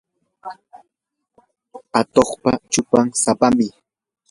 atuqpa chupan sapam.